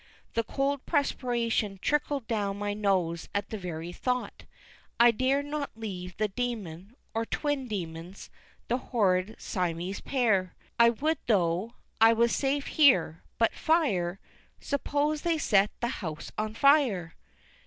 The cold perspiration trickled down my nose at the very thought. I dared not leave the demon, or twin demons the horrid Siamese pair. I would, though I was safe here. But, fire! Suppose they set the house on fire?